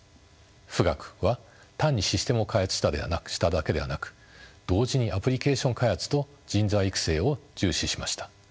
富岳は単にシステムを開発しただけではなく同時にアプリケーション開発と人材育成を重視しました。